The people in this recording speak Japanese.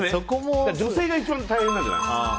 女性が一番大変なんじゃない。